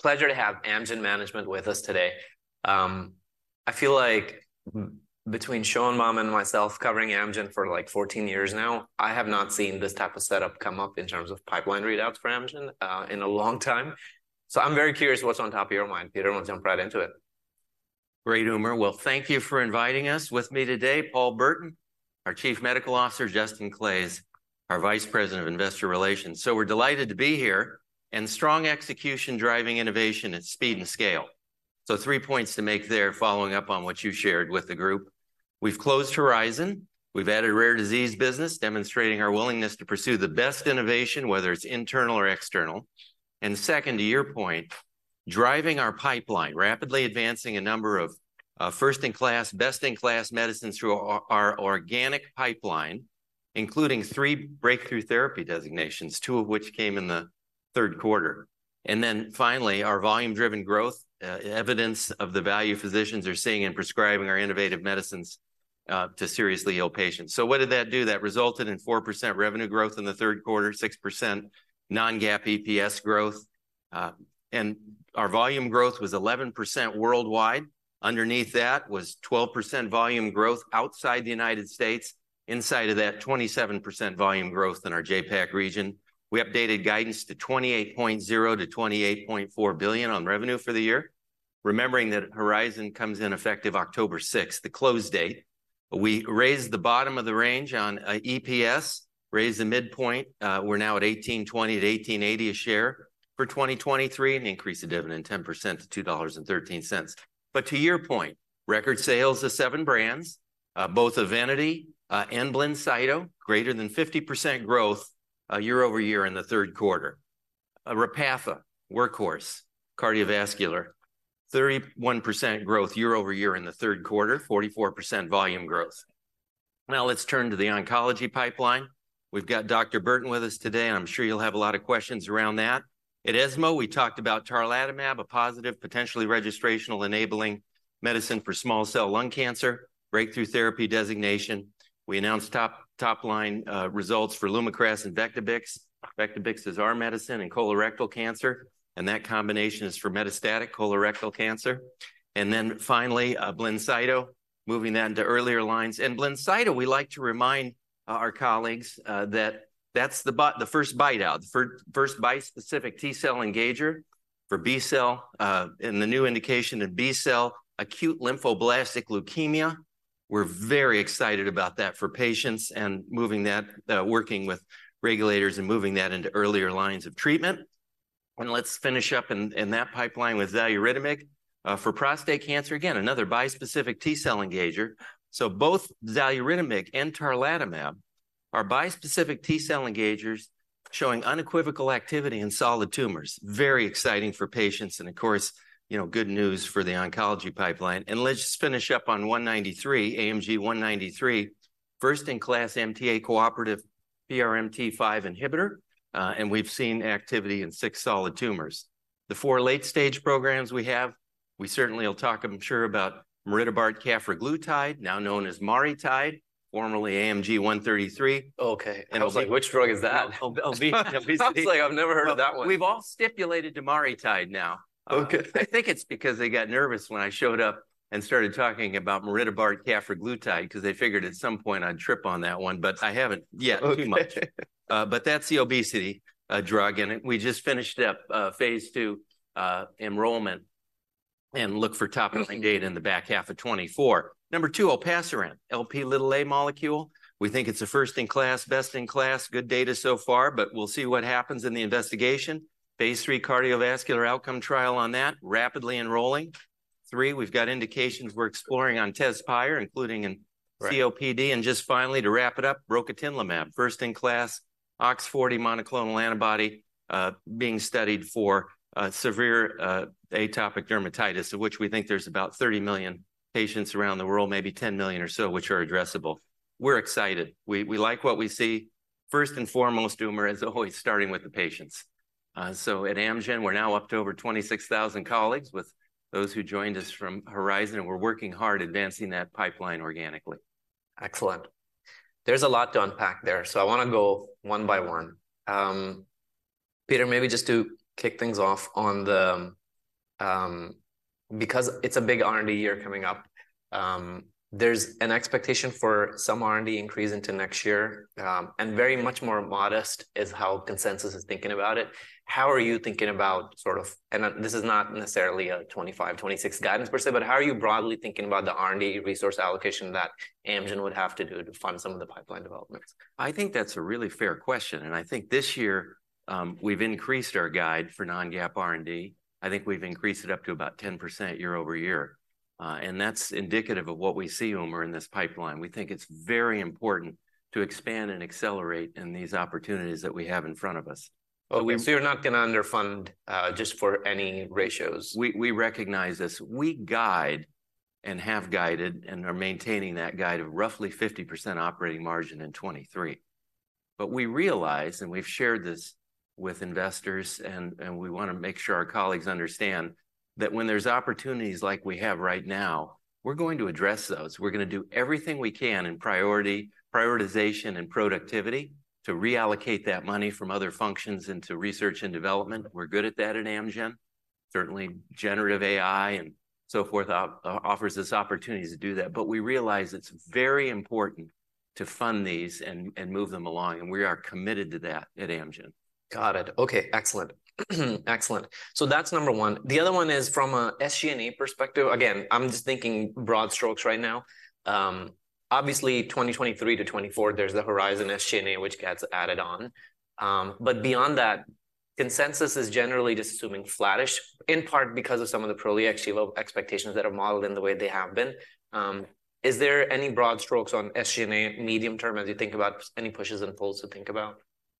Pleasure to have Amgen Management with us today. I feel like between Sean, Mom, and myself covering Amgen for, like, 14 years now, I have not seen this type of setup come up in terms of Pipeline readouts for Amgen in a long time. I'm very curious what's on top of your mind. Peter, why don't we jump right into it? Great, Umer. Well, thank you for inviting us. With me today, Paul Burton, our Chief Medical Officer, Justin Claeys, our Vice President of Investor Relations. So we're delighted to be here, and strong execution driving innovation at speed and scale. So three points to make there, following up on what you shared with the group. We've closed Horizon. We've added rare disease business, demonstrating our willingness to pursue the best innovation, whether it's internal or external. And second, to your point, driving our pipeline, rapidly advancing a number of first-in-class, best-in-class medicines through our Organic Pipeline, including three Breakthrough Therapy Designations, two of which came in the third quarter. And then finally, our volume-driven growth, evidence of the value physicians are seeing in prescribing our Innovative Medicines to seriously ill patients. So what did that do? That resulted in 4% revenue growth in the third quarter, 6% non-GAAP EPS growth, and our volume growth was 11% worldwide. Underneath that was 12% volume growth outside the United States, inside of that, 27% volume growth in our JPAC region. We updated guidance to $28.0 billion-$28.4 billion on revenue for the year. Remembering that Horizon comes in effective October sixth, the close date. We raised the bottom of the range on EPS, raised the midpoint, we're now at $18.20-$18.80 a share for 2023, and increased the dividend 10% to $2.13. But to your point, record sales of seven brands, both Evenity and Blincyto, greater than 50% growth year-over-year in the third quarter. Repatha, workhorse, cardiovascular, 31% growth year-over-year in the third quarter, 44% volume growth. Now, let's turn to the oncology pipeline. We've got Dr. Burton with us today, and I'm sure you'll have a lot of questions around that. At ESMO, we talked about Tarlatamab, a positive, potentially registrational enabling medicine for small cell lung cancer, breakthrough therapy designation. We announced top-line results for Lumakras and Vectibix. Vectibix is our medicine in colorectal cancer, and that combination is for metastatic colorectal cancer. And then finally, Blincyto, moving that into earlier lines. And Blincyto, we like to remind our colleagues that that's the first BiTE, the first bispecific T-cell engager for B-cell in the new indication of B-cell acute lymphoblastic leukemia. We're very excited about that for patients and moving that, working with regulators and moving that into earlier lines of treatment. And let's finish up in that pipeline with Xaluritamig for prostate cancer. Again, another bispecific T-cell engager. So both Xaluritamig and Tarlatamab are bispecific T-cell engagers showing unequivocal activity in solid tumors. Very exciting for patients, and of course, you know, good news for the oncology pipeline. And let's just finish up on 193, AMG 193, first-in-class MTA-cooperative PRMT5 inhibitor, and we've seen activity in 6 solid tumors. The 4 late-stage programs we have, we certainly will talk, I'm sure, about maridebart cafraglutide, now known as MariTide, formerly AMG 133. Okay. I was like, which drug is that? I was like, I've never heard of that one. We've all stipulated to MariTide now. Okay. I think it's because they got nervous when I showed up and started talking about maridebart cafraglutide, 'cause they figured at some point I'd trip on that one, but I haven't yet- Okay.too much. But that's the obesity drug, and it, We just finished up phase two enrollment, and look for top-line- Excellent Data in the back half of 2024. Number two, Olpasiran, Lp(a) molecule. We think it's a first-in-class, best-in-class, good data so far, but we'll see what happens in the investigation. Phase lll Cardiovascular outcome trial on that, rapidly enrolling. Three, we've got indications we're exploring on Tezspire, including in- Right COPD. And just finally, to wrap it up, Rocatinlimab, first-in-class OX40 monoclonal antibody, being studied for severe atopic dermatitis, of which we think there's about 30 million patients around the world, maybe 10 million or so, which are addressable. We're excited. We, we like what we see. First and foremost, Umer, is always starting with the patients. So at Amgen, we're now up to over 26,000 colleagues, with those who joined us from Horizon, and we're working hard advancing that pipeline organically. Excellent. There's a lot to unpack there, so I wanna go one by one. Peter, maybe just to kick things off on the... Because it's a big R&D year coming up, there's an expectation for some R&D increase into next year, and very much more modest is how consensus is thinking about it. How are you thinking about sort of... This is not necessarily a 2025, 2026 guidance per se, but how are you broadly thinking about the R&D resource allocation that Amgen would have to do to fund some of the pipeline developments? I think that's a really fair question, and I think this year, we've increased our guide for non-GAAP R&D. I think we've increased it up to about 10% year-over-year, and that's indicative of what we see, Umer, in this pipeline. We think it's very important to expand and accelerate in these opportunities that we have in front of us. So we- You're not gonna underfund just for any ratios? We recognize this. We guide, and have guided, and are maintaining that guide of roughly 50% operating margin in 2023. But we realize, and we've shared this with investors, and we wanna make sure our colleagues understand, that when there's opportunities like we have right now, we're going to address those. We're gonna do everything we can in prioritization and productivity to reallocate that money from other functions into research and development. We're good at that at Amgen. Certainly, generative AI and so forth offers us opportunities to do that, but we realize it's very important to fund these and move them along, and we are committed to that at Amgen. Got it. Okay, excellent. Excellent. So that's number one. The other one is from a SG&A perspective... Again, I'm just thinking broad strokes right now. Obviously, 2023 to 2024, there's the Horizon SG&A, which gets added on. But beyond that, consensus is generally just assuming flattish, in part because of some of the Prolia, Xgeva expectations that are modeled in the way they have been. Is there any broad strokes on SG&A medium term as you think about any pushes and pulls to think about?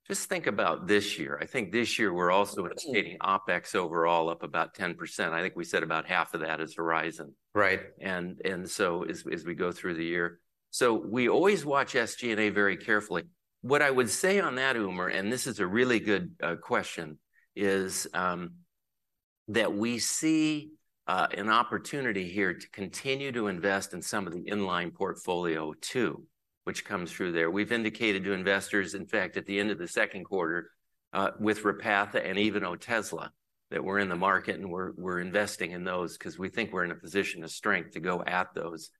Just think about this year. I think this year we're also- Mm Anticipating OpEx overall up about 10%. I think we said about half of that is Horizon. Right. As we go through the year. So we always watch SG&A very carefully. What I would say on that, Umer, and this is a really good question, is that we see an opportunity here to continue to invest in some of the in-line portfolio too, which comes through there. We've indicated to investors, in fact, at the end of the second quarter, with Repatha and even Otezla, that we're in the market, and we're investing in those 'cause we think we're in a position of strength to go at those,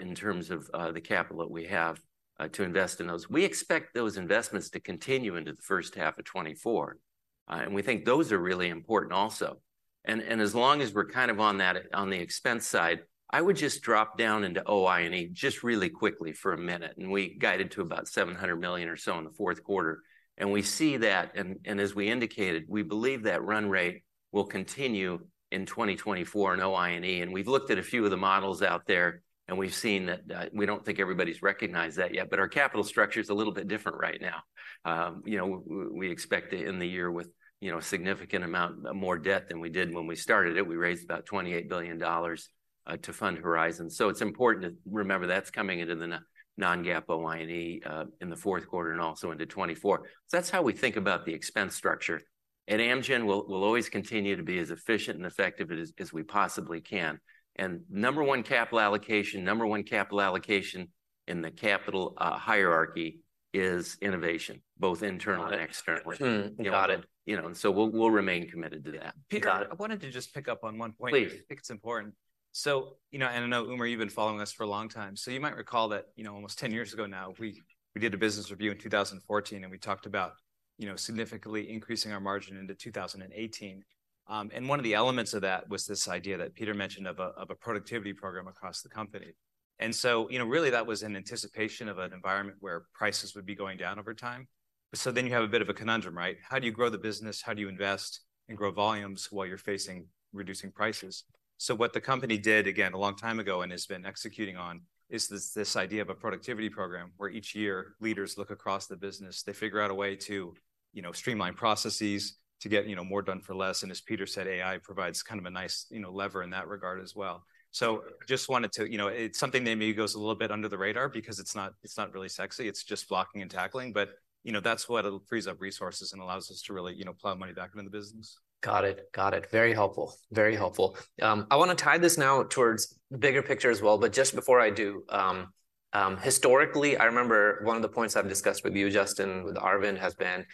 in terms of the capital that we have to invest in those. We expect those investments to continue into the first half of 2024, and we think those are really important also. And as long as we're kind of on the expense side, I would just drop down into OI&E just really quickly for a minute, and we guided to about $700 million or so in the fourth quarter. And we see that, and as we indicated, we believe that run rate will continue in 2024 in OINE. And we've looked at a few of the models out there, and we've seen that. We don't think everybody's recognized that yet, but our capital structure's a little bit different right now. You know, we expect it in the year with, you know, a significant amount, more debt than we did when we started it. We raised about $28 billion to fund Horizon. So it's important to remember that's coming into the non-GAAP OINE in the fourth quarter and also into 2024. So that's how we think about the expense structure. At Amgen, we'll always continue to be as efficient and effective as we possibly can. And number one, capital allocation in the capital hierarchy is innovation, both internally and externally. Got it. You know, and so we'll, we'll remain committed to that. Got it. Peter, I wanted to just pick up on one point. Please. I think it's important. So, you know, and I know, Umer, you've been following this for a long time, so you might recall that, you know, almost 10 years ago now, we, we did a business review in 2014, and we talked about, you know, significantly increasing our margin into 2018. And one of the elements of that was this idea that Peter mentioned of a, of a productivity program across the company. And so, you know, really, that was in anticipation of an environment where prices would be going down over time. So then you have a bit of a conundrum, right? How do you grow the business? How do you invest and grow volumes while you're facing reducing prices? So what the company did, again, a long time ago, and has been executing on, is this, this idea of a productivity program, where each year, leaders look across the business. They figure out a way to, you know, streamline processes to get, you know, more done for less. And as Peter said, AI provides kind of a nice, you know, lever in that regard as well. So just wanted to... You know, it's something that maybe goes a little bit under the radar because it's not, it's not really sexy. It's just blocking and tackling, but, you know, that's what'll frees up resources and allows us to really, you know, plow money back into the business. Got it, got it. Very helpful, very helpful. I wanna tie this now towards the bigger picture as well, but just before I do, historically, I remember one of the points I've discussed with you, Justin, with Arvind, has been,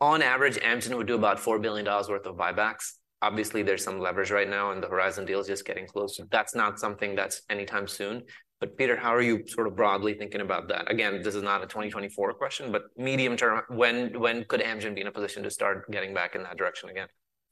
on average, Amgen would do about $4 billion worth of buybacks. Obviously, there's some leverage right now, and the Horizon deal is just getting closed. That's not something that's anytime soon. But Peter, how are you sort of broadly thinking about that? Again, this is not a 2024 question, but medium term, when, when could Amgen be in a position to start getting back in that direction again?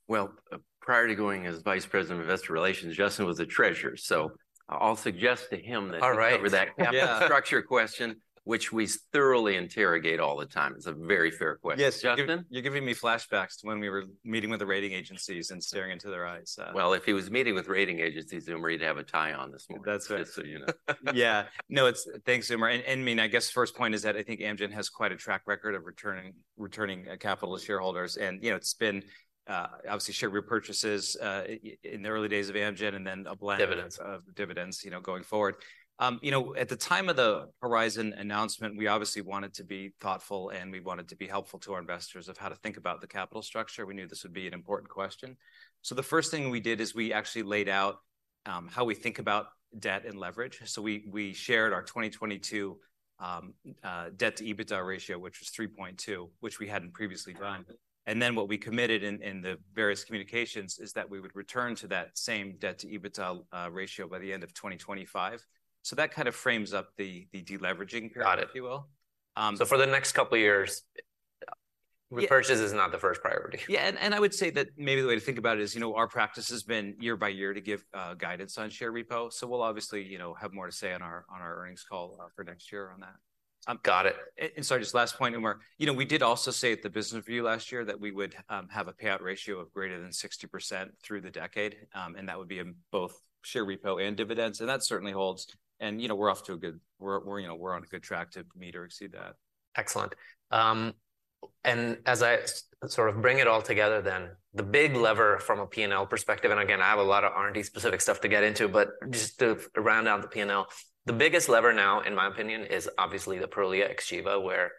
Well, prior to going as Vice President of Investor Relations, Justin was a treasurer, so I'll suggest to him that- All right He cover that capital structure question, which we thoroughly interrogate all the time. It's a very fair question. Yes, Justin, you're giving me flashbacks to when we were meeting with the rating agencies and staring into their eyes. Well, if he was meeting with rating agencies, Umer, he'd have a tie on this morning- That's right... just so you know. Yeah. No, it's... Thanks, Umer, and, I mean, I guess the first point is that I think Amgen has quite a track record of returning capital to shareholders. And, you know, it's been obviously share repurchases in the early days of Amgen, and then a blend- Dividends... of dividends, you know, going forward. You know, at the time of the Horizon announcement, we obviously wanted to be thoughtful, and we wanted to be helpful to our Investors of how to think about the capital structure. We knew this would be an important question. So the first thing we did is we actually laid out, how we think about debt and leverage. So we shared our 2022 debt-to-EBITDA ratio, which was 3.2, which we hadn't previously provided. And then, what we committed in the various communications is that we would return to that same debt-to-EBITDA ratio by the end of 2025. So that kind of frames up the deleveraging period- Got it... if you will. For the next couple of years- Yeah... repurchase is not the first priority? Yeah, and I would say that maybe the way to think about it is, you know, our practice has been year by year to give guidance on share repo. So we'll obviously, you know, have more to say on our earnings call for next year on that. Got it. So just last point, Umer, you know, we did also say at the business review last year that we would have a payout ratio of greater than 60% through the decade, and that would be in both share repo and dividends, and that certainly holds. You know, we're on a good track to meet or exceed that. Excellent. And as I sort of bring it all together, then, the big lever from a P&L perspective, and again, I have a lot of R&D-specific stuff to get into, but just to round out the P&L, the biggest lever now, in my opinion, is obviously the Prolia, Xgeva, where,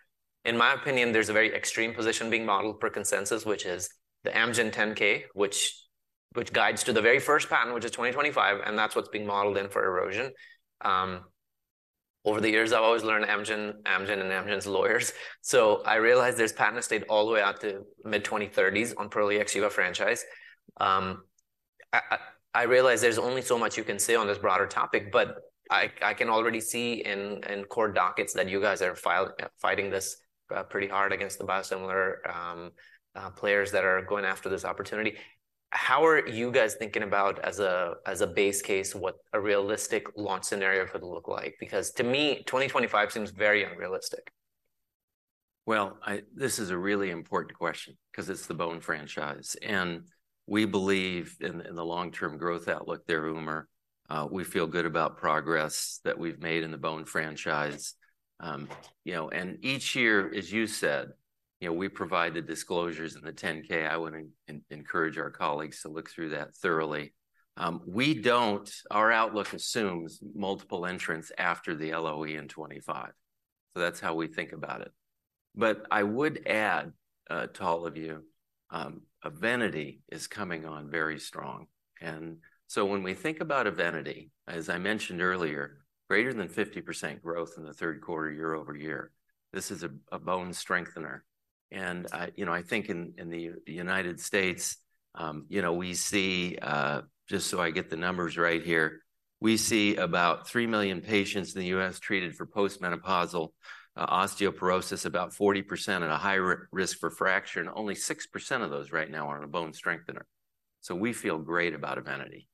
in my opinion, there's a very extreme position being modeled per consensus, which is the Amgen 10-K, which guides to the very first patent, which is 2025, and that's what's being modeled in for erosion. Over the years, I've always learned Amgen, Amgen, and Amgen's lawyers, so I realize there's patent estate all the way out to mid-2030s on Prolia Xgeva franchise. I realize there's only so much you can say on this broader topic, but I can already see in court dockets that you guys are fighting this pretty hard against the biosimilar players that are going after this opportunity. How are you guys thinking about as a base case, what a realistic launch scenario could look like? Because to me, 2025 seems very unrealistic. Well, this is a really important question 'cause it's the bone franchise, and we believe in the long-term growth outlook there, Umer. We feel good about progress that we've made in the bone franchise. And each year, as you said, you know, we provide the disclosures in the 10-K. I would encourage our colleagues to look through that thoroughly. Our outlook assumes multiple entrants after the LOE in 2025, so that's how we think about it. But I would add to all of you, Evenity is coming on very strong. And so when we think about Evenity, as I mentioned earlier, greater than 50% growth in the third quarter, year-over-year. This is a bone strengthener. You know, I think in the United States, you know, we see, just so I get the numbers right here, we see about 3 million patients in the U.S. treated for postmenopausal osteoporosis, about 40% at a high risk for fracture, and only 6% of those right now are on a bone strengthener. So we feel great about Evenity,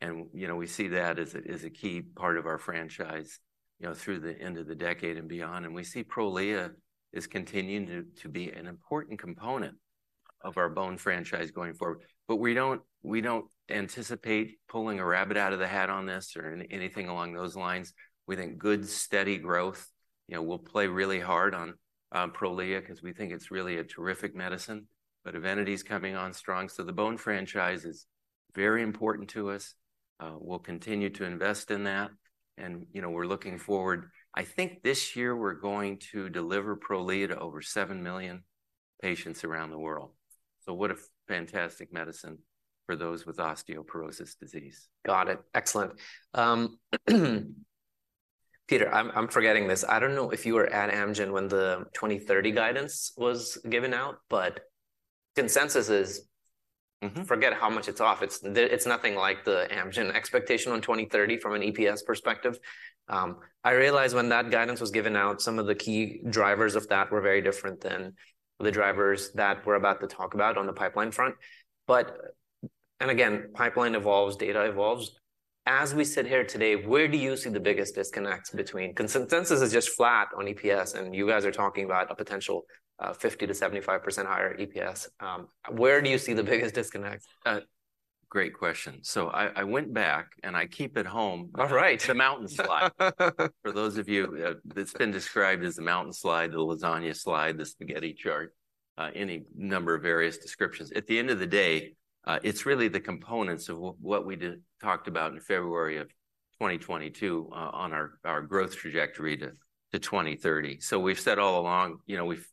and, you know, we see that as a key part of our franchise, you know, through the end of the decade and beyond. And we see Prolia is continuing to be an important component of our bone franchise going forward. But we don't anticipate pulling a rabbit out of the hat on this or anything along those lines. We think good, steady growth. You know, we'll play really hard on Prolia, 'cause we think it's really a terrific medicine, but Evenity's coming on strong. So the bone franchise is very important to us. We'll continue to invest in that, and, you know, we're looking forward. I think this year we're going to deliver Prolia to over 7 million patients around the world. So what a fantastic medicine for those with osteoporosis disease. Got it. Excellent. Peter, I'm forgetting this. I don't know if you were at Amgen when the 2030 guidance was given out, but consensus is- Mm-hmm. Forget how much it's off. It's nothing like the Amgen expectation on 2030 from an EPS perspective. I realize when that guidance was given out, some of the key drivers of that were very different than the drivers that we're about to talk about on the pipeline front. But... And again, pipeline evolves, data evolves. As we sit here today, where do you see the biggest disconnect between consensus is just flat on EPS, and you guys are talking about a potential 50%-75% higher EPS. Where do you see the biggest disconnect? Great question. So I went back, and I keep at home- All right.... the mountain slide. For those of you that's been described as the mountain slide, the lasagna slide, the spaghetti chart, any number of various descriptions. At the end of the day, it's really the components of what we talked about in February 2022 on our growth trajectory to 2030. So we've said all along, you know, we feel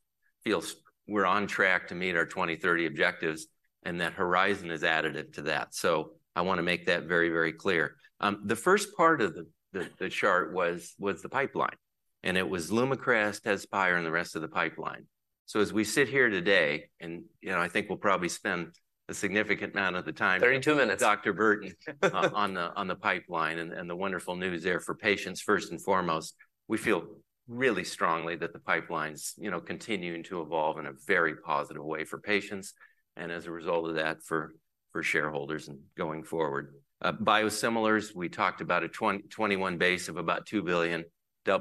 we're on track to meet our 2030 objectives, and that horizon is additive to that. So I wanna make that very, very clear. The first part of the chart was the pipeline, and it was LUMAKRAS, TEZSPIRE, and the rest of the pipeline. So as we sit here today, and you know, I think we'll probably spend a significant amount of the time- Thirty-two minutes... Dr. Burton, on the pipeline and the wonderful news there for patients first and foremost, we feel really strongly that the pipeline's, you know, continuing to evolve in a very positive way for patients, and as a result of that, for shareholders and going forward. Biosimilars, we talked about a 2021 base of about $2 billion,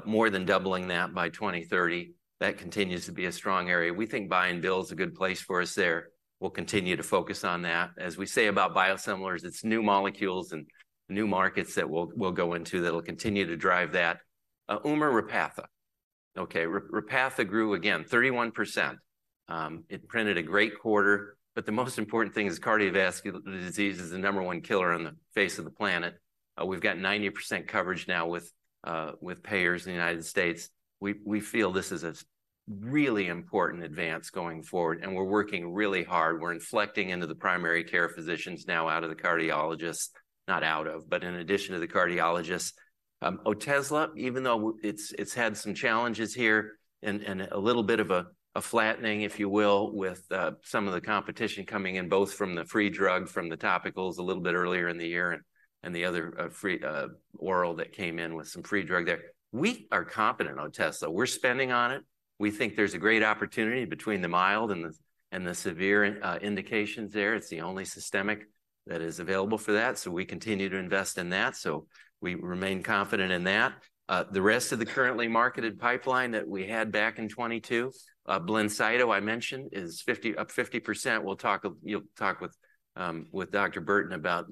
more than doubling that by 2030. That continues to be a strong area. We think buy and bill is a good place for us there. We'll continue to focus on that. As we say about biosimilars, it's new molecules and new markets that we'll go into that'll continue to drive that. Umer, Repatha. Okay, Repatha grew again, 31%. It printed a great quarter, but the most important thing is cardiovascular disease is the number one killer on the face of the planet. We've got 90% coverage now with, with payers in the United States. We feel this is a really important advance going forward, and we're working really hard. We're inflecting into the primary care physicians now out of the cardiologists, not out of, but in addition to the Cardiologists. Otezla, even though it's, it's had some challenges here and, and a little bit of a, a flattening, if you will, with, some of the competition coming in, both from the free drug, from the topicals a little bit earlier in the year and, and the other, free, oral that came in with some free drug there. We are confident on Otezla. We're spending on it. We think there's a great opportunity between the mild and the severe indications there. It's the only systemic that is available for that, so we continue to invest in that, so we remain confident in that. The rest of the currently marketed pipeline that we had back in 2022, Blincyto, I mentioned, is up 50%. We'll talk... You'll talk with Dr. Burton about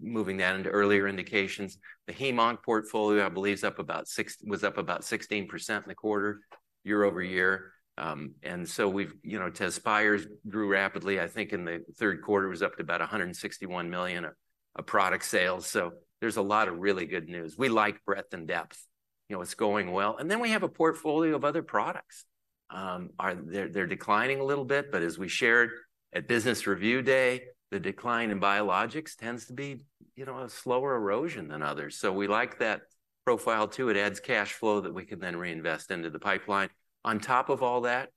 moving that into earlier indications. The HEMONC portfolio, I believe, was up about 16% in the quarter, year-over-year. And so we've... You know, Tezspire grew rapidly, I think, in the third quarter, it was up to about $161 million of product sales, so there's a lot of really good news. We like breadth and depth. You know, it's going well. And then we have a portfolio of other products. They're declining a little bit, but as we shared at Business Review Day, the decline in biologics tends to be, you know, a slower erosion than others. So we like that profile, too. It adds cash flow that we can then reinvest into the pipeline. On top of all that,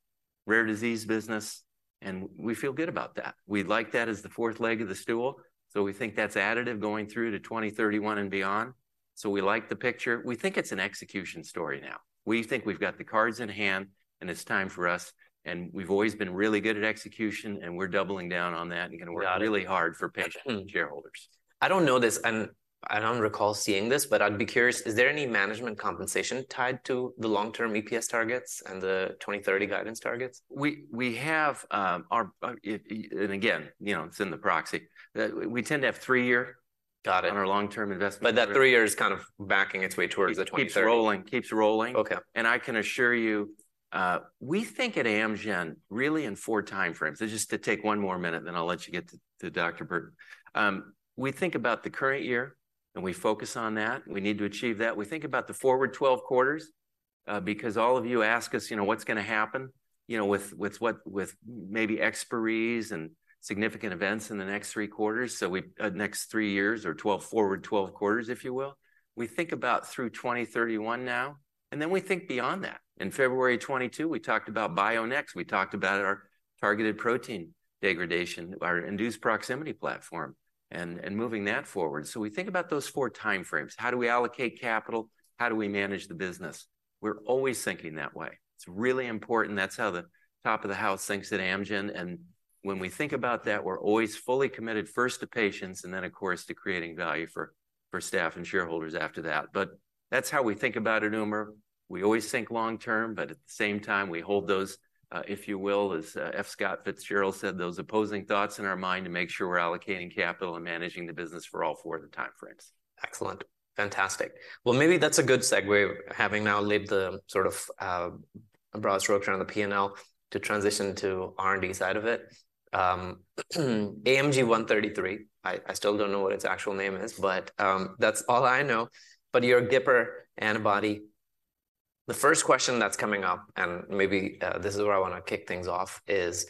rare disease business, and we feel good about that. We like that as the fourth leg of the stool, so we think that's additive going through to 2031 and beyond. So we like the picture. We think it's an execution story now. We think we've got the cards in hand, and it's time for us, and we've always been really good at execution, and we're doubling down on that- Got it. and gonna work really hard for patients and shareholders. I don't know this, and I don't recall seeing this, but I'd be curious, is there any management compensation tied to the long-term EPS targets and the 2030 guidance targets? We have our... And again, you know, it's in the proxy that we tend to have three-year- Got it. on our long-term investment. That 3-year is kind of backing its way towards the 2030. Keeps rolling. Keeps rolling. Okay. I can assure you, we think at Amgen really in four timeframes. So just to take one more minute, then I'll let you get to Dr. Burton. We think about the current year, and we focus on that, and we need to achieve that. We think about the forward 12 quarters, because all of you ask us, you know, what's gonna happen, you know, with, with maybe expiries and significant events in the next three quarters, so we next three years or forward 12 quarters, if you will. We think about through 2031 now, and then we think beyond that. In February 2022, we talked about BioNext we talked about our targeted protein degradation, our induced proximity platform, and moving that forward. So we think about those four timeframes. How do we allocate capital? How do we manage the business? We're always thinking that way. It's really important. That's how the top of the house thinks at Amgen, and when we think about that, we're always fully committed first to patients, and then, of course, to creating value for staff and shareholders after that. But that's how we think about it, Umer. We always think long term, but at the same time, we hold those, if you will, as, F. Scott Fitzgerald said, those opposing thoughts in our mind to make sure we're allocating capital and managing the business for all four of the timeframes. Excellent. Fantastic. Well, maybe that's a good segue, having now laid the sort of broad strokes around the P&L, to transition to R&D side of it. AMG 133, I still don't know what its actual name is, but that's all I know. But your GIPR antibody, the first question that's coming up, and maybe this is where I want to kick things off, is...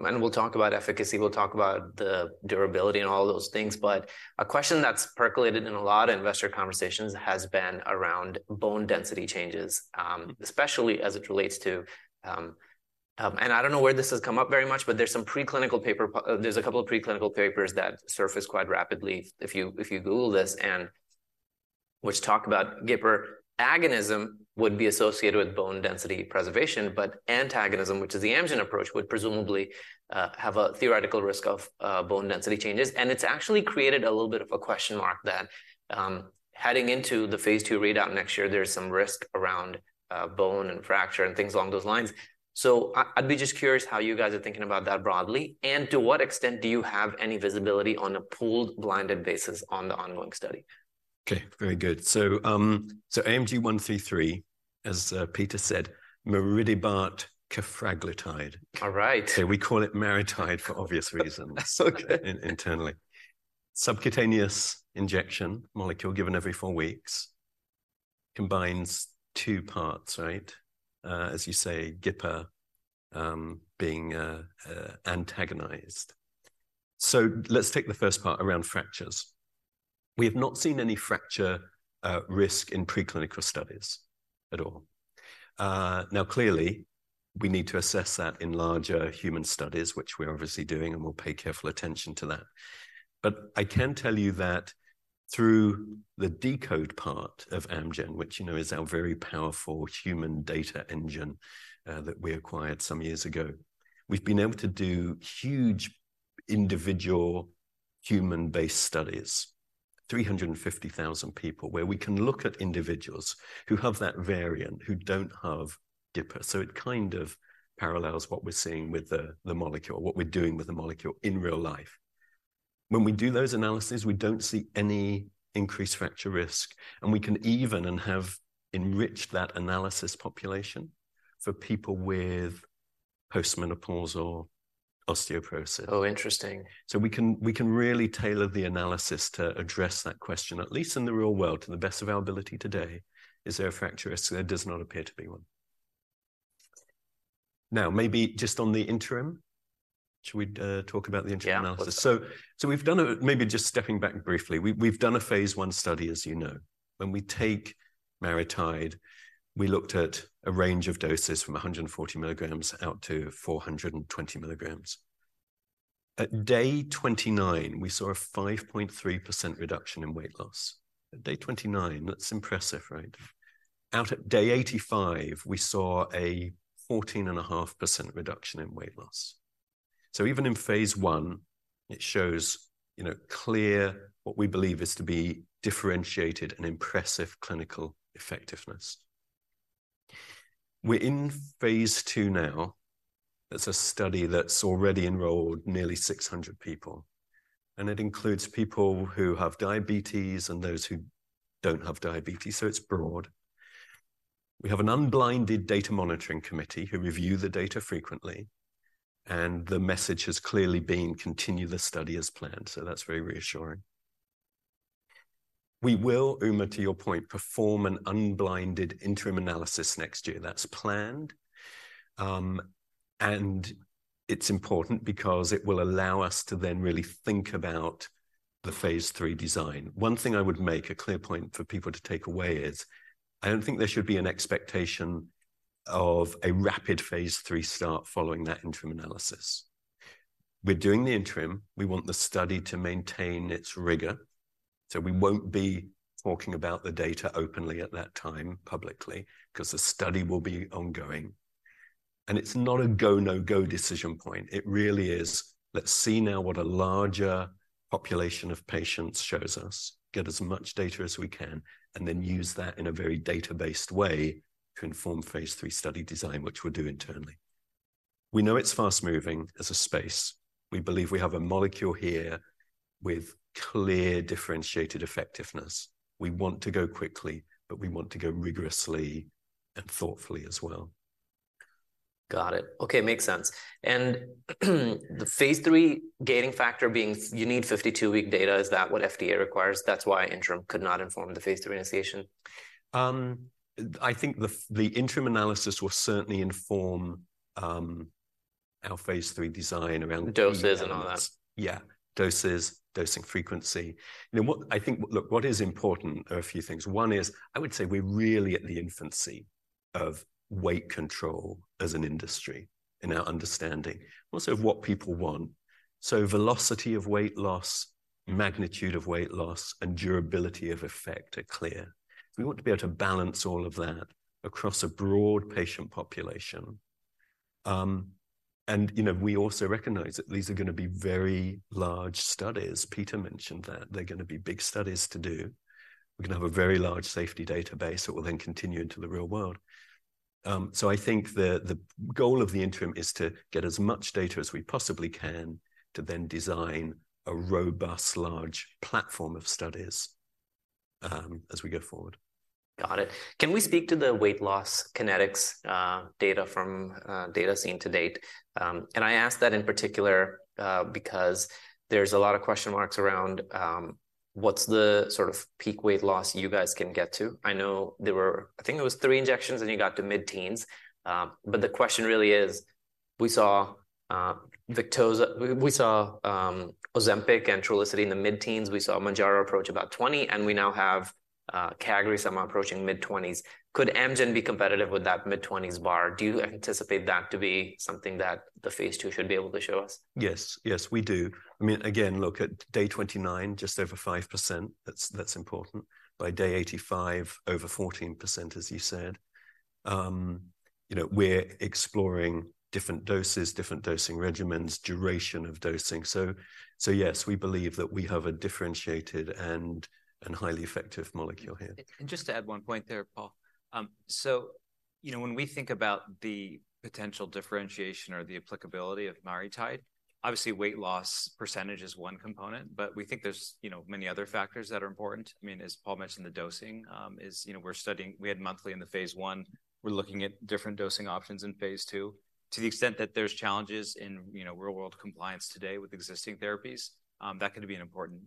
And we'll talk about efficacy, we'll talk about the durability and all those things, but a question that's percolated in a lot of investor conversations has been around bone density changes, especially as it relates to... And I don't know where this has come up very much, but there's a couple of preclinical papers that surface quite rapidly if you Google this, and which talk about GIPR. Agonism would be associated with bone density preservation, but antagonism, which is the Amgen approach, would presumably have a theoretical risk of bone density changes. And it's actually created a little bit of a question mark that heading into the phase II readout next year, there's some risk around bone and fracture and things along those lines. So I'd be just curious how you guys are thinking about that broadly, and to what extent do you have any visibility on a pooled, blinded basis on the ongoing study? Okay, very good. So, AMG 133, as Peter said, maridebart cafraglutide. All right. So we call it MariTide, for obvious reasons. That's so good.... internally. Subcutaneous injection, molecule given every four weeks, combines two parts, right? As you say, GIPR being antagonised. So let's take the first part around fractures. We have not seen any fracture risk in preclinical studies at all. Now, clearly, we need to assess that in larger human studies, which we're obviously doing, and we'll pay careful attention to that. But I can tell you that through the deCODE part of Amgen, which, you know, is our very powerful human data engine, that we acquired some years ago, we've been able to do huge individual human-based studies, 350,000 people, where we can look at individuals who have that variant, who don't have GIPR. So it kind of parallels what we're seeing with the molecule - what we're doing with the molecule in real life. When we do those analyses, we don't see any increased fracture risk, and we can even, and have, enriched that analysis population for people with post-menopausal osteoporosis. Oh, interesting. So we can, we can really tailor the analysis to address that question, at least in the real world, to the best of our ability today. Is there a fracture risk? There does not appear to be one. Now, maybe just on the interim, should we talk about the interim analysis? Yeah. So we've done a—maybe just stepping back briefly, we've done a phase I study, as you know. When we take MariTide, we looked at a range of doses from 140 milligrams out to 420 milligrams. At day 29, we saw a 5.3% reduction in weight loss. At day 29, that's impressive, right? Out at day 85, we saw a 14.5% reduction in weight loss. So even in phase I, it shows, you know, clear, what we believe is to be differentiated and impressive clinical effectiveness. We're in phase II now. That's a study that's already enrolled nearly 600 people, and it includes people who have diabetes and those who don't have diabetes, so it's broad. We have an unblinded data monitoring committee who review the data frequently, and the message has clearly been: continue the study as planned. So that's very reassuring... We will, Uma, to your point, perform an unblinded interim analysis next year. That's planned, and it's important because it will allow us to then really think about the phase lll design. One thing I would make a clear point for people to take away is, I don't think there should be an expectation of a rapid phase lll start following that interim analysis. We're doing the interim, we want the study to maintain its rigor, so we won't be talking about the data openly at that time, publicly, 'cause the study will be ongoing. And it's not a go, no-go decision point. It really is, let's see now what a larger population of patients shows us, get as much data as we can, and then use that in a very data-based way to inform phase lll study design, which we'll do internally. We know it's fast-moving as a space. We believe we have a molecule here with clear, differentiated effectiveness. We want to go quickly, but we want to go rigorously and thoughtfully as well. Got it. Okay, makes sense. And the phase lll gating factor being you need 52-week data, is that what FDA requires? That's why interim could not inform the phase lll initiation. I think the interim analysis will certainly inform our phase lll design around- Doses and all that. Yeah, doses, dosing frequency. You know what, I think... Look, what is important, are a few things. One is, I would say we're really at the infancy of weight control as an industry in our understanding, also of what people want. So velocity of weight loss, magnitude of weight loss, and durability of effect are clear. We want to be able to balance all of that across a broad patient population. And, you know, we also recognize that these are gonna be very large studies. Peter mentioned that, they're gonna be big studies to do. We're gonna have a very large safety database that will then continue into the real world. So I think the goal of the interim is to get as much data as we possibly can, to then design a robust, large platform of studies, as we go forward. Got it. Can we speak to the weight loss kinetics, data from data seen to date? I ask that in particular because there's a lot of question marks around what's the sort of peak weight loss you guys can get to? I know there were, I think it was three injections, and you got to mid-teens. But the question really is, we saw Victoza, we saw Ozempic and Trulicity in the mid-teens, we saw Mounjaro approach about 20, and we now have Cagri somehow approaching mid-20s. Could Amgen be competitive with that mid-20s bar? Do you anticipate that to be something that the phase ll should be able to show us? Yes. Yes, we do. I mean, again, look at day 29, just over 5%. That's, that's important. By day 85, over 14%, as you said. You know, we're exploring different doses, different dosing regimens, duration of dosing. So, so yes, we believe that we have a differentiated and, and highly effective molecule here. Just to add one point there, Paul. So, you know, when we think about the potential differentiation or the applicability of MariTide, obviously, weight loss percentage is one component, but we think there's, you know, many other factors that are important. I mean, as Paul mentioned, the dosing. You know, we're studying. We had monthly in the phase 1, we're looking at different dosing options in phase ll. To the extent that there's challenges in, you know, real-world compliance today with existing therapies, that could be an important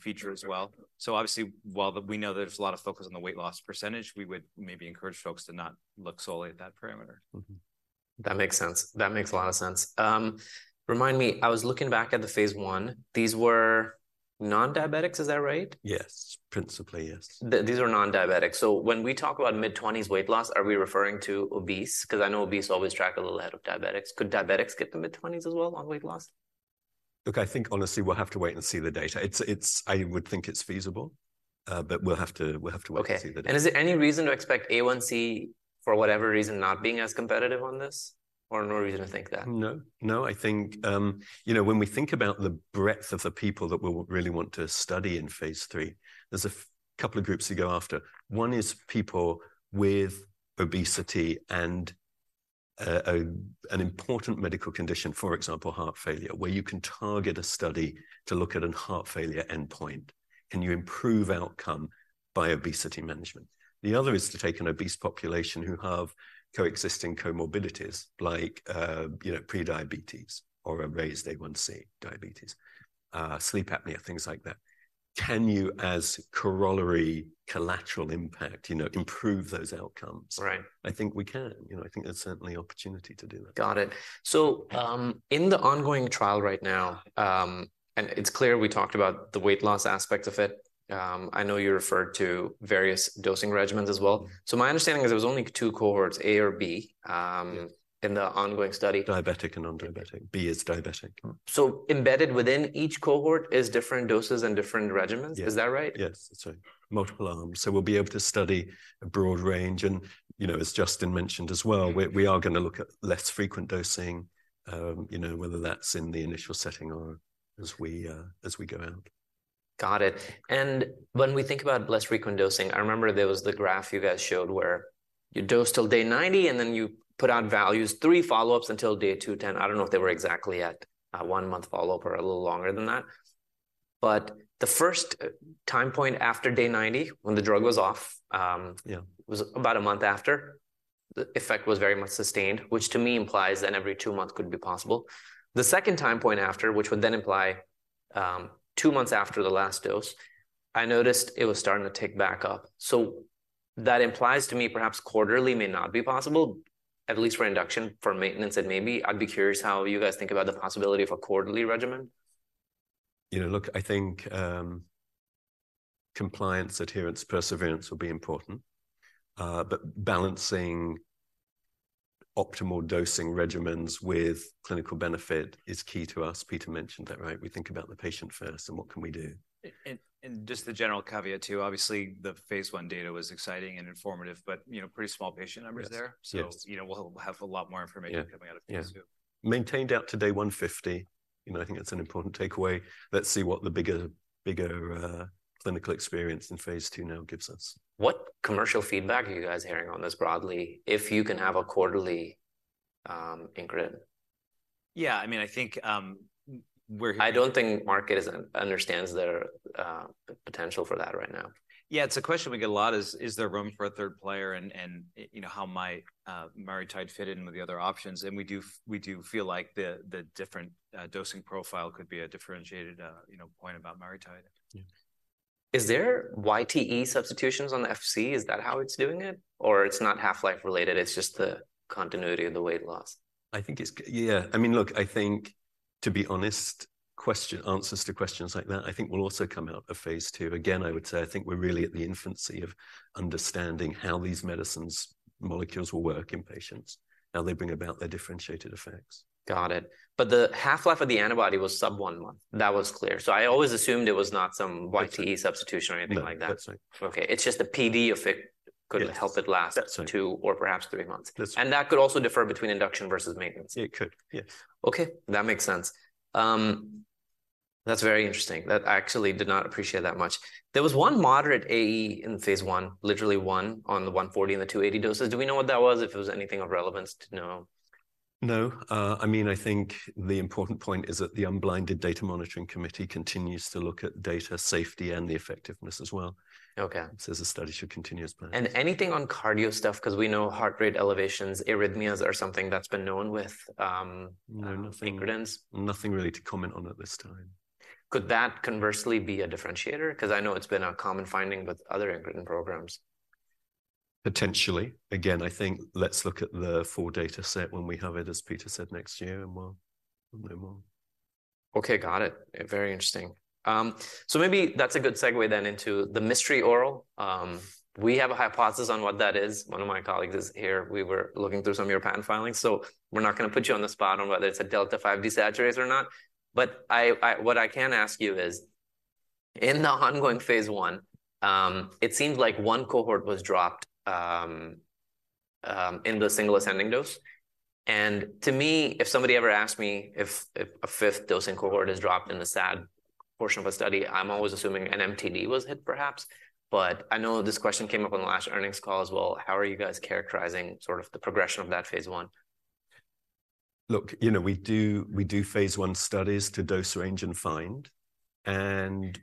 feature as well. So obviously, while we know that there's a lot of focus on the weight loss percentage, we would maybe encourage folks to not look solely at that parameter. Mm-hmm. That makes sense. That makes a lot of sense. Remind me, I was looking back at the phase 1. These were non-diabetics, is that right? Yes. Principally, yes. These are non-diabetics. So when we talk about mid-twenties weight loss, are we referring to obese? Because I know obese always track a little ahead of diabetics. Could diabetics get to mid-twenties as well on weight loss? Look, I think, honestly, we'll have to wait and see the data. It's. I would think it's feasible, but we'll have to wait to see the data. Okay. Is there any reason to expect A1C, for whatever reason, not being as competitive on this, or no reason to think that? No. No, I think, you know, when we think about the breadth of the people that we'll really want to study in phase lll, there's a couple of groups to go after. One is people with obesity and an important medical condition, for example, heart failure, where you can target a study to look at a heart failure endpoint. Can you improve outcome by obesity management? The other is to take an obese population who have coexisting comorbidities, like, you know, prediabetes or a raised A1C diabetes, sleep apnea, things like that. Can you, as corollary collateral impact, you know, improve those outcomes? Right. I think we can. You know, I think there's certainly opportunity to do that. Got it. So, in the ongoing trial right now, and it's clear we talked about the weight loss aspect of it, I know you referred to various dosing regimens as well. So my understanding is there was only two cohorts, A or B, Yeah... in the ongoing study. Diabetic and non-diabetic. Okay. B is diabetic. So embedded within each cohort is different doses and different regimens. Yeah. Is that right? Yes, that's right. Multiple arms. So we'll be able to study a broad range, and, you know, as Justin mentioned as well, we are gonna look at less frequent dosing, you know, whether that's in the initial setting or as we go out. Got it. And when we think about less frequent dosing, I remember there was the graph you guys showed where you dose till day 90, and then you put out values, 3 follow-ups until day 210. I don't know if they were exactly at a one-month follow-up or a little longer than that. But the first time point after day 90, when the drug was off. Yeah... it was about a month after? The effect was very much sustained, which to me implies that every two months could be possible. The second time point after, which would then imply two months after the last dose, I noticed it was starting to tick back up. So that implies to me, perhaps quarterly may not be possible, at least for induction, for maintenance, it may be. I'd be curious how you guys think about the possibility of a quarterly regimen. You know, look, I think, compliance, adherence, perseverance will be important. But balancing optimal dosing regimens with clinical benefit is key to us. Peter mentioned that, right? We think about the patient first, and what can we do? Just the general caveat, too, obviously, the phase I data was exciting and informative, but, you know, pretty small patient numbers there. Yes, yes. You know, we'll have a lot more information- Yeah coming out of phase II. Yeah. Maintained out to day 150, you know, I think that's an important takeaway. Let's see what the bigger, bigger, clinical experience in phase II now gives us. What commercial feedback are you guys hearing on this broadly, if you can have a quarterly, incretin? Yeah, I mean, I think, I don't think market understands the potential for that right now. Yeah, it's a question we get a lot: Is there room for a third player, and you know, how might MariTide fit in with the other options? And we do feel like the different dosing profile could be a differentiated you know, point about MariTide. Yeah. Is there YTE substitutions on the FC? Is that how it's doing it? Or it's not half-life related, it's just the continuity of the weight loss? I think it's yeah. I mean, look, I think, to be honest, answers to questions like that, I think will also come out of phase II. Again, I would say, I think we're really at the infancy of understanding how these medicines, molecules will work in patients, how they bring about their differentiated effects. Got it. But the half-life of the antibody was sub-1 month. That was clear. So I always assumed it was not some YTE- Yeah -substitution or anything like that. No, that's right. Okay, it's just the PD effect- Yes could help it last. That's right two or perhaps three months. That's right. That could also differ between induction versus maintenance? It could, yes. Okay, that makes sense. That's very interesting. That I actually did not appreciate that much. There was one moderate AE in phase I, literally one on the 140 and the 280 doses. Do we know what that was, if it was anything of relevance to know? No, I mean, I think the important point is that the unblinded data monitoring committee continues to look at data safety and the effectiveness as well. Okay. The study should continue as planned. Anything on cardio stuff? 'Cause we know heart rate elevations, arrhythmias are something that's been known with, No, nothing -incretins. Nothing really to comment on at this time. Could that conversely be a differentiator? 'Cause I know it's been a common finding with other incretin programs. Potentially. Again, I think let's look at the full data set when we have it, as Peter said, next year, and we'll know more. Okay, got it. Very interesting. So maybe that's a good segue then into the mystery oral. We have a hypothesis on what that is. One of my colleagues is here. We were looking through some of your patent filings, so we're not going to put you on the spot on whether it's a delta-5 desaturase or not. But what I can ask you is, in the ongoing phase I, it seems like one cohort was dropped in the single ascending dose. And to me, if somebody ever asked me if a fifth dosing cohort is dropped in the SAD portion of a study, I'm always assuming an MTD was hit, perhaps. But I know this question came up on the last earnings call as well. How are you guys characterizing sort of the progression of that phase I? Look, you know, we do phase I studies to dose range and find, and,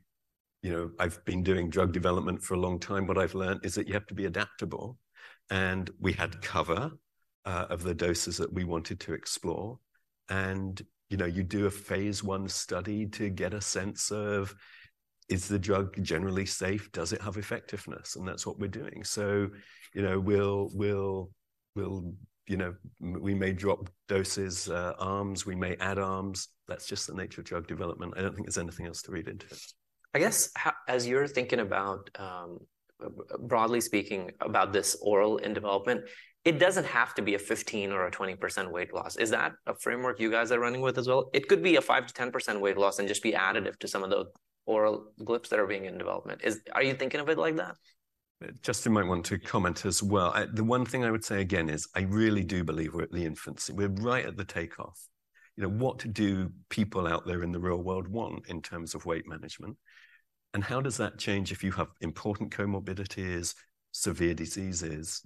you know, I've been doing drug development for a long time. What I've learned is that you have to be adaptable, and we had cover of the doses that we wanted to explore. And, you know, you do a phase I study to get a sense of, is the drug generally safe? Does it have effectiveness? And that's what we're doing. So, you know, we'll, we'll, we'll. You know, we may drop doses, arms, we may add arms. That's just the nature of drug development. I don't think there's anything else to read into it. I guess, how, as you're thinking about, broadly speaking, about this oral in development, it doesn't have to be a 15% or 20% weight loss. Is that a framework you guys are running with as well? It could be a 5%-10% weight loss and just be additive to some of the oral glips that are being in development. Are you thinking of it like that? Justin might want to comment as well. The one thing I would say again is I really do believe we're at the infancy. We're right at the takeoff. You know, what do people out there in the real world want in terms of weight management? And how does that change if you have important comorbidities, severe diseases?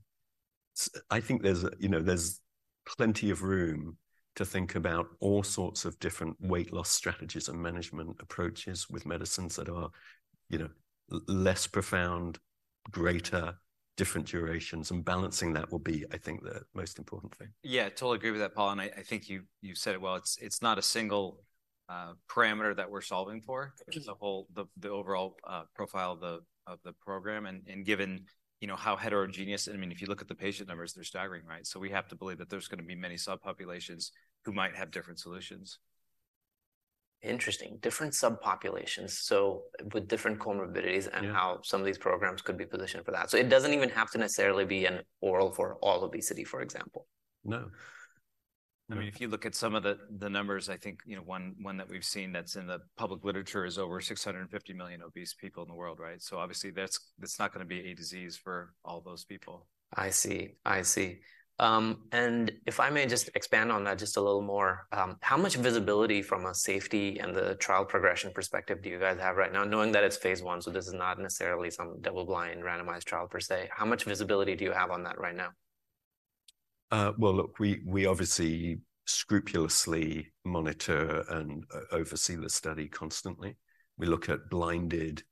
I think there's, you know, there's plenty of room to think about all sorts of different weight loss strategies and management approaches with medicines that are, you know, less profound, greater, different durations, and balancing that will be, I think, the most important thing. Yeah, totally agree with that, Paul, and I think you've said it well. It's not a single parameter that we're solving for- Sure... it's the whole, the overall profile of the program. And given, you know, how heterogeneous... I mean, if you look at the patient numbers, they're staggering, right? So we have to believe that there's going to be many subpopulations who might have different solutions. Interesting. Different subpopulations, so with different comorbidities- Yeah and how some of these programs could be positioned for that. Yeah. It doesn't even have to necessarily be an oral for all obesity, for example. No. I mean, if you look at some of the numbers, I think, you know, one that we've seen that's in the public literature is over 650 million obese people in the world, right? So obviously, that's not going to be a disease for all those people. I see. I see. And if I may just expand on that just a little more, how much visibility from a safety and the trial progression perspective do you guys have right now, knowing that it's phase I, so this is not necessarily some double-blind, randomized trial per se? How much visibility do you have on that right now? ... Well, look, we obviously scrupulously monitor and oversee the study constantly. We look at blinded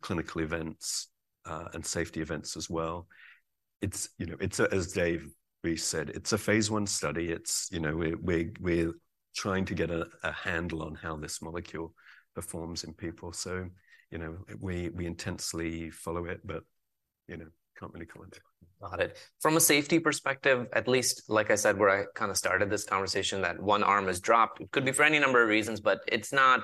clinical events and safety events as well. It's, you know, it's as David Reese said, it's a phase one study. It's, you know, we're trying to get a handle on how this molecule performs in people. So, you know, we intensely follow it, but, you know, can't really comment. Got it. From a safety perspective, at least, like I said, where I kind of started this conversation, that one arm is dropped. It could be for any number of reasons, but it's not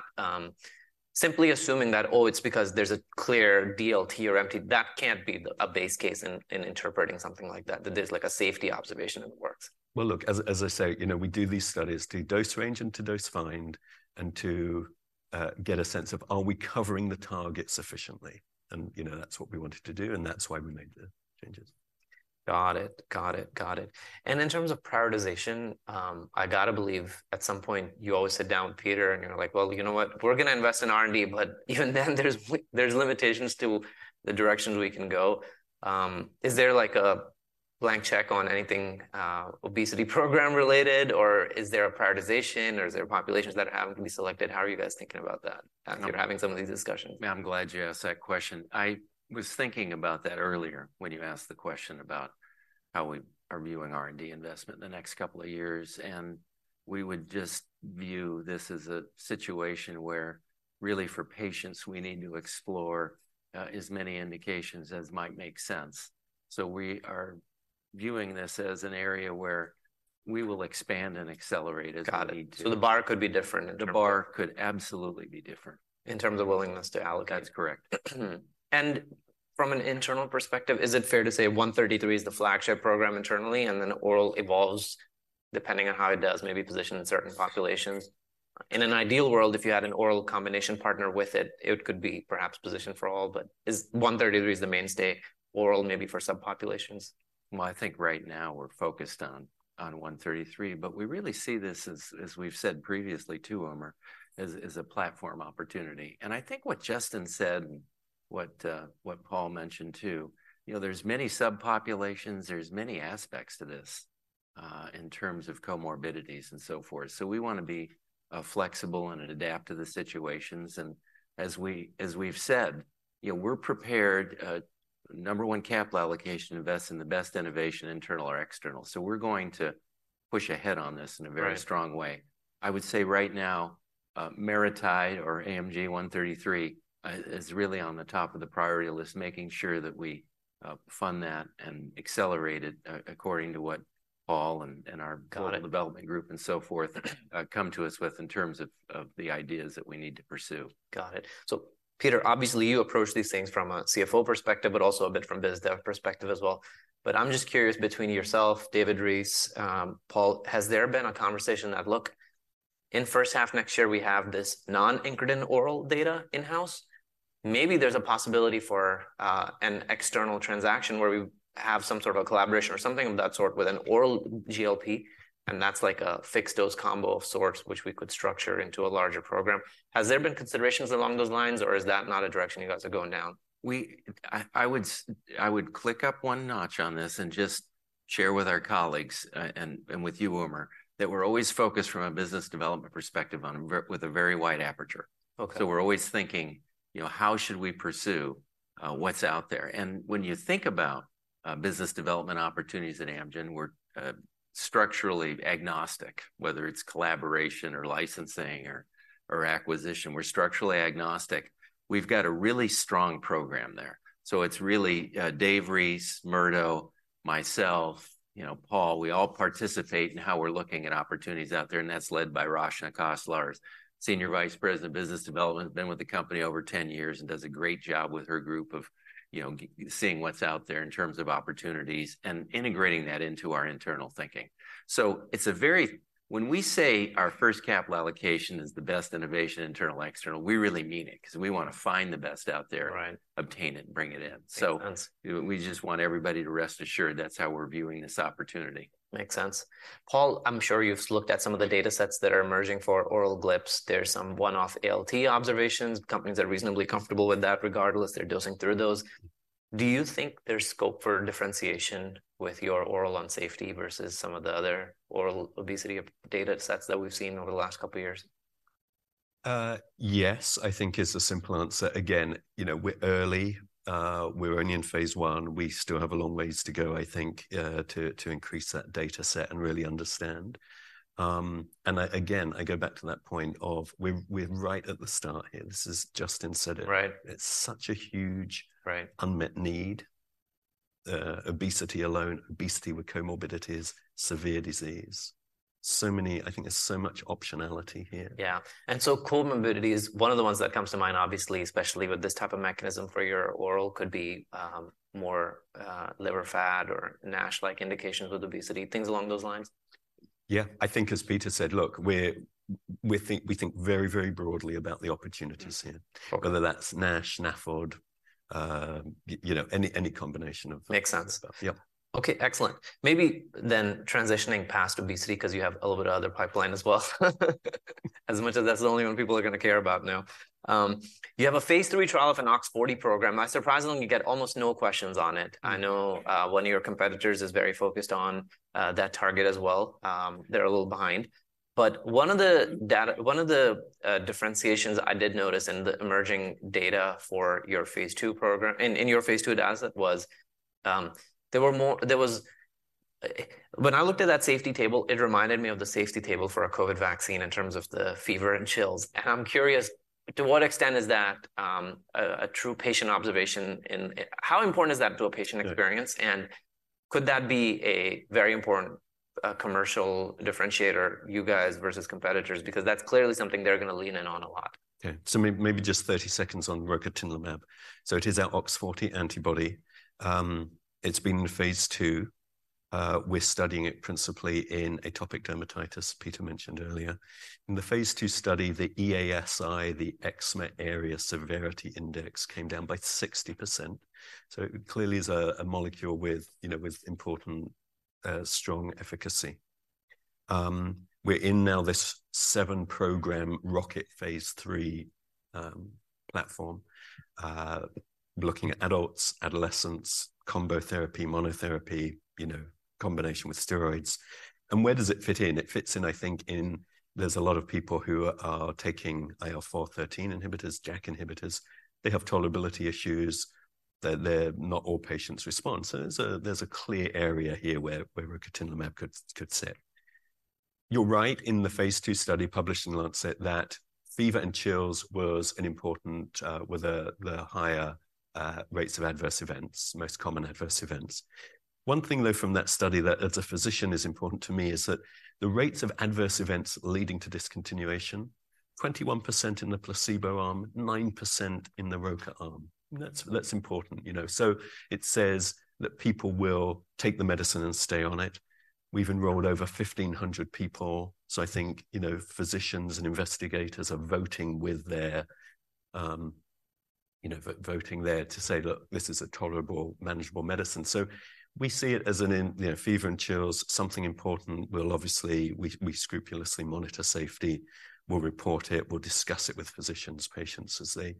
simply assuming that, oh, it's because there's a clear DLT or MT, that can't be a base case in interpreting something like that, that there's, like, a safety observation in the works. Well, look, as I say, you know, we do these studies to dose range and to dose find, and to get a sense of are we covering the target sufficiently? And, you know, that's what we wanted to do, and that's why we made the changes. Got it. Got it. Got it. In terms of prioritization, I gotta believe at some point, you always sit down with Peter, and you're like: "Well, you know what? We're gonna invest in R&D," but even then there's limitations to the directions we can go. Is there, like, a blank check on anything obesity program-related, or is there a prioritization, or is there populations that happen to be selected? How are you guys thinking about that as you're having some of these discussions? I'm glad you asked that question. I was thinking about that earlier when you asked the question about how we are viewing R&D investment in the next couple of years, and we would just view this as a situation where, really, for patients, we need to explore as many indications as might make sense. So we are viewing this as an area where we will expand and accelerate as we need to. Got it. So the bar could be different in terms of- The bar could absolutely be different. In terms of willingness to allocate? That's correct. From an internal perspective, is it fair to say 133 is the flagship program internally, and then oral evolves, depending on how it does, maybe position in certain populations? In an ideal world, if you had an oral combination partner with it, it could be perhaps positioned for all, but is 133 is the mainstay, oral maybe for subpopulations? Well, I think right now we're focused on 133, but we really see this as, as we've said previously, too, Umer, as a platform opportunity. And I think what Justin said, and what Paul mentioned, too, you know, there's many subpopulations, there's many aspects to this, in terms of comorbidities and so forth. So we wanna be flexible and adapt to the situations. And as we, as we've said, you know, we're prepared, number one, capital allocation invest in the best innovation, internal or external. So we're going to push ahead on this in a very- Right... strong way. I would say right now, MariTide or AMG 133, is really on the top of the priority list, making sure that we, fund that and accelerate it a- according to what Paul and, and our- Got it... development group and so forth, come to us with in terms of, of the ideas that we need to pursue. Got it. So, Peter, obviously, you approach these things from a CFO perspective, but also a bit from biz dev perspective as well. But I'm just curious, between yourself, David Reese, Paul, has there been a conversation that, look, in first half next year, we have this non-incretin oral data in-house? Maybe there's a possibility for an external transaction, where we have some sort of a collaboration or something of that sort with an oral GLP, and that's like a fixed-dose combo of sorts, which we could structure into a larger program. Has there been considerations along those lines, or is that not a direction you guys are going down? I would click up one notch on this and just share with our colleagues, and with you, Umer, that we're always focused from a business development perspective with a very wide aperture. Okay. So we're always thinking, you know, "How should we pursue, what's out there?" And when you think about, business development opportunities at Amgen, we're, structurally agnostic, whether it's collaboration or licensing or, acquisition, we're structurally agnostic. We've got a really strong program there. So it's really, David Reese, Murdo, myself, you know, Paul, we all participate in how we're looking at opportunities out there, and that's led by Rachna Khosla, our Senior Vice President of Business Development, been with the company over 10 years and does a great job with her group of, you know, seeing what's out there in terms of opportunities and integrating that into our internal thinking. So it's a very. When we say our first capital allocation is the best innovation, internal or external, we really mean it, 'cause we wanna find the best out there- Right... obtain it, and bring it in. Makes sense. We just want everybody to rest assured that's how we're viewing this opportunity. Makes sense. Paul, I'm sure you've looked at some of the datasets that are emerging for oral GLP's. There's some one-off ALT observations. Companies are reasonably comfortable with that, regardless, they're dosing through those. Do you think there's scope for differentiation with your oral on safety versus some of the other oral obesity datasets that we've seen over the last couple of years? Yes, I think is the simple answer. Again, you know, we're early. We're only in phase one. We still have a long ways to go, I think, to increase that dataset and really understand. And again, I go back to that point of we're right at the start here. This is... Justin said it. Right. It's such a huge- Right... unmet need. Obesity alone, obesity with comorbidities, severe disease. So many, I think there's so much optionality here. Yeah. And so comorbidities, one of the ones that comes to mind, obviously, especially with this type of mechanism for your oral, could be more liver fat or NASH-like indications with obesity, things along those lines. Yeah, I think as Peter said, look, we think very, very broadly about the opportunities here. Mm-hmm. Okay. Whether that's NASH, NAFLD, you know, any combination of- Makes sense... stuff. Yep.... Okay, excellent. Maybe then transitioning past obesity, 'cause you have a little bit of other pipeline as well. As much as that's the only one people are gonna care about now. You have a phase III trial of an OX40 program. Not surprisingly, you get almost no questions on it. I know one of your competitors is very focused on that target as well. They're a little behind, but one of the differentiations I did notice in the emerging data for your phase II program, in your phase II data, was there were more... There was, when I looked at that safety table, it reminded me of the safety table for a COVID vaccine in terms of the fever and chills, and I'm curious, to what extent is that, a true patient observation in—how important is that to a patient experience? Yeah. Could that be a very important commercial differentiator, you guys versus competitors? Because that's clearly something they're going to lean in on a lot. Okay. So maybe just 30 seconds on rocatinlimab. So it is our OX40 antibody. It's been in phase II. We're studying it principally in atopic dermatitis, Peter mentioned earlier. In the phase II study, the EASI, the Eczema Area Severity Index, came down by 60%, so it clearly is a molecule with, you know, with important, strong efficacy. We're in now this 7-program ROCKET phase III platform, looking at adults, adolescents, combo therapy, monotherapy, you know, combination with steroids. And where does it fit in? It fits in, I think, in there's a lot of people who are taking IL-4/IL-13 inhibitors, JAK inhibitors. They have tolerability issues, they're not all patients response. So there's a clear area here where rocatinlimab could sit. You're right, in the phase II study, published in Lancet, that fever and chills were the higher rates of adverse events, most common adverse events. One thing, though, from that study that, as a physician, is important to me, is that the rates of adverse events leading to discontinuation, 21% in the placebo arm, 9% in the rocatinlimab arm. That's, that's important, you know. So it says that people will take the medicine and stay on it. We've enrolled over 1,500 people, so I think, you know, physicians and investigators are voting with their... You know, voting there to say, "Look, this is a tolerable, manageable medicine." So we see it as an issue, you know, fever and chills, something important. We'll obviously, we scrupulously monitor safety. We'll report it. We'll discuss it with physicians, patients as they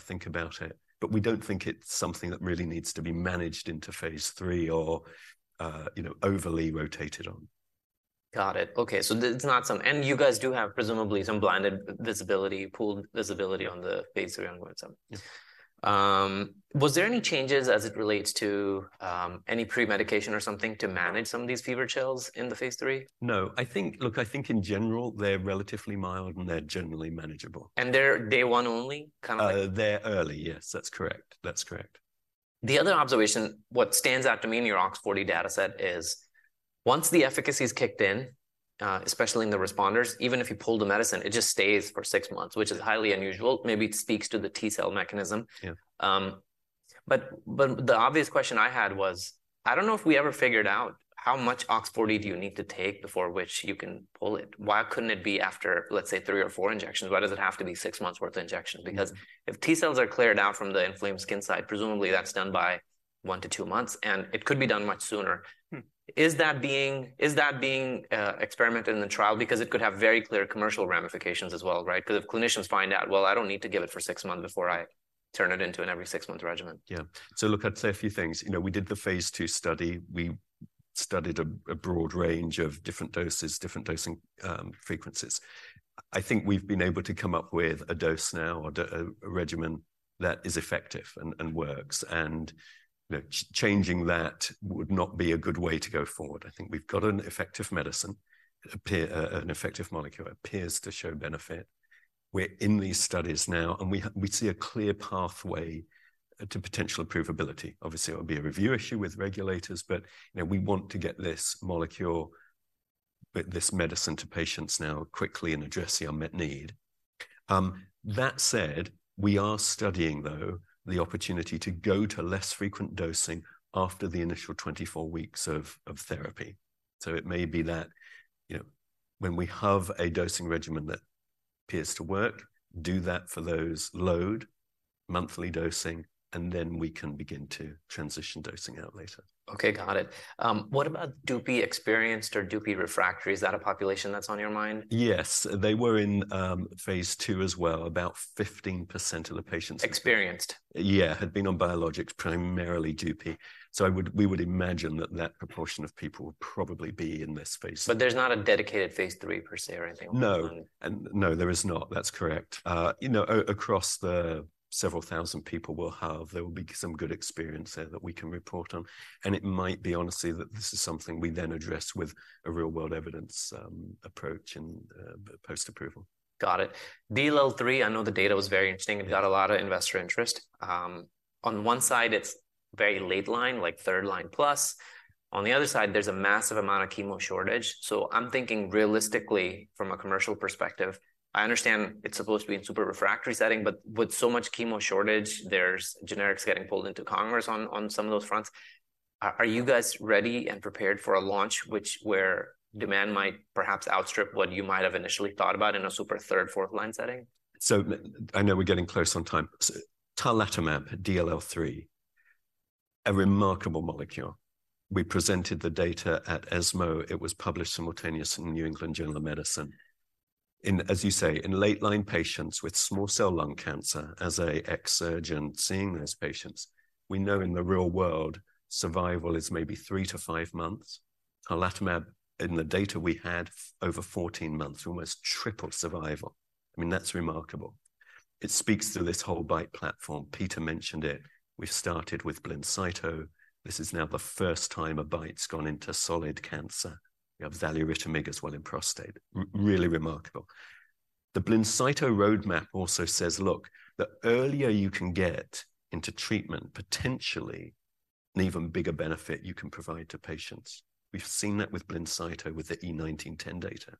think about it. But we don't think it's something that really needs to be managed into phase III or, you know, overly rotated on. Got it. Okay, so there's not some. And you guys do have, presumably, some blinded visibility, pooled visibility on the phase III ongoing study. Yeah. Was there any changes as it relates to any pre-medication or something to manage some of these fever chills in the phase III? No. I think, look, I think in general, they're relatively mild, and they're generally manageable. They're day one only, kind of like- They're early. Yes, that's correct. That's correct. The other observation, what stands out to me in your OX40 data set, is once the efficacy is kicked in, especially in the responders, even if you pull the medicine, it just stays for six months, which is highly unusual. Maybe it speaks to the T-cell mechanism. Yeah. But the obvious question I had was, I don't know if we ever figured out how much OX40 do you need to take before which you can pull it? Why couldn't it be after, let's say, three or four injections? Why does it have to be six months' worth of injections? Mm. Because if T-cells are cleared out from the inflamed skin side, presumably that's done by 1-2 months, and it could be done much sooner. Mm. Is that being experimented in the trial? Because it could have very clear commercial ramifications as well, right? Because if clinicians find out, "Well, I don't need to give it for six months before I turn it into an every six-month regimen. Yeah. So look, I'd say a few things. You know, we did the phase II study. We studied a, a broad range of different doses, different dosing, frequencies. I think we've been able to come up with a dose now, or a, a regimen that is effective and, and works, and, you know, changing that would not be a good way to go forward. I think we've got an effective medicine, an effective molecule, appears to show benefit. We're in these studies now, and we see a clear pathway, to potential approvability. Obviously, it'll be a review issue with regulators, but, you know, we want to get this molecule, this medicine, to patients now quickly and address the unmet need. That said, we are studying, though, the opportunity to go to less frequent dosing after the initial 24 weeks of therapy. So it may be that, you know, when we have a dosing regimen that appears to work, do that for those load, monthly dosing, and then we can begin to transition dosing out later. Okay, got it. What about Dupixent experienced or Dupixent refractory? Is that a population that's on your mind? Yes. They were in phase II as well, about 15% of the patients- Experienced?... Yeah, had been on biologics, primarily Dupixent. So I would- we would imagine that that proportion of people would probably be in this phase II. There's not a dedicated phase III per se or anything like that? No. No, there is not. That's correct. You know, across the several thousand people we'll have, there will be some good experience there that we can report on, and it might be, honestly, that this is something we then address with a real-world evidence approach and post-approval. Got it. DLL3, I know the data was very interesting. Yeah. It got a lot of investor interest. On one side, it's very late line, like third line plus. On the other side, there's a massive amount of chemo shortage. So I'm thinking realistically from a commercial perspective, I understand it's supposed to be in super refractory setting, but with so much chemo shortage, there's generics getting pulled into Congress on some of those fronts. Are you guys ready and prepared for a launch, where demand might perhaps outstrip what you might have initially thought about in a super third, fourth line setting? So I know we're getting close on time. So tarlatamab, DLL3— a remarkable molecule. We presented the data at ESMO. It was published simultaneously in the New England Journal of Medicine. In, as you say, in late-line patients with small cell Lung Cancer, as a ex-surgeon seeing those patients, we know in the real world, survival is maybe 3-5 months. Tarlatamab, in the data we had, over 14 months, almost triple survival. I mean, that's remarkable. It speaks to this whole BiTE platform. Peter mentioned it. We started with Blincyto. This is now the first time a BiTE's gone into solid cancer. We have Xaluritamig as well in prostate. Really remarkable. The Blincyto roadmap also says, look, the earlier you can get into treatment, potentially, an even bigger benefit you can provide to patients. We've seen that with Blincyto, with the E1910 data.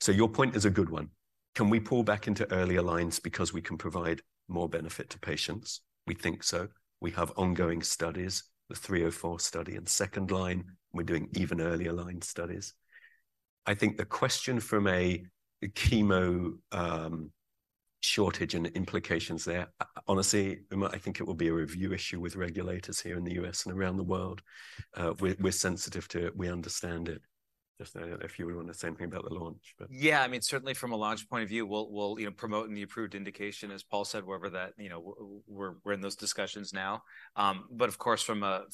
So your point is a good one. Can we pull back into earlier lines because we can provide more benefit to patients? We think so. We have ongoing studies, the 304 study in second line. We're doing even earlier line studies. I think the question from a chemo shortage and implications there, honestly, we might, I think it will be a review issue with regulators here in the U.S. and around the world. We're sensitive to it. We understand it. Just, if you were wanting the same thing about the launch, but— Yeah, I mean, certainly from a launch point of view, we'll, you know, promote in the approved indication, as Paul said, wherever that. You know, we're in those discussions now. But of course, from a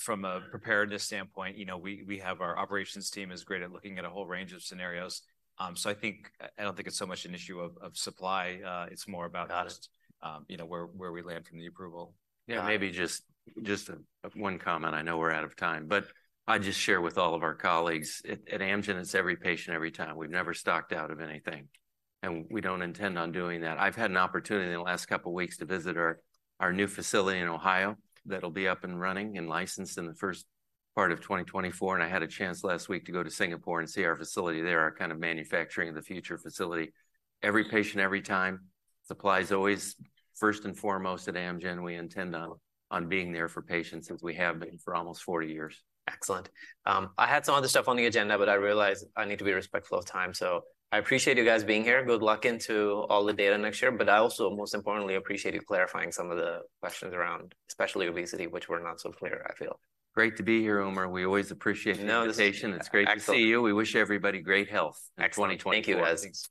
preparedness standpoint, you know, we have our operations team is great at looking at a whole range of scenarios. So I think, I don't think it's so much an issue of supply, it's more about- Got it You know, where we land from the approval. Yeah, maybe just one comment. I know we're out of time, but I'd just share with all of our colleagues at Amgen, it's every patient, every time. We've never stocked out of anything, and we don't intend on doing that. I've had an opportunity in the last couple of weeks to visit our new facility in Ohio that'll be up and running and licensed in the first part of 2024, and I had a chance last week to go to Singapore and see our facility there, our kind of manufacturing of the future facility. Every patient, every time. Supply is always first and foremost at Amgen. We intend on being there for patients, as we have been for almost 40 years. Excellent. I had some other stuff on the agenda, but I realized I need to be respectful of time, so I appreciate you guys being here. Good luck into all the data next year, but I also, most importantly, appreciate you clarifying some of the questions around, especially obesity, which were not so clear, I feel. Great to be here, Umer. We always appreciate the invitation. No, this is- It's great to see you. Excellent. We wish everybody great health in 2024. Excellent. Thank you, guys.